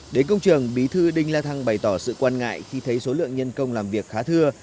đến công trường bí thư đinh la thăng bày tỏ sự quan ngại khi thấy số lượng nhân công làm việc khá thưa